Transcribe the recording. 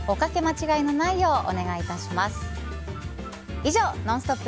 以上ＮＯＮＳＴＯＰ！